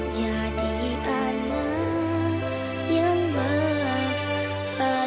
jadi anak yang berbahagia